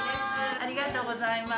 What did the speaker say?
ありがとうございます。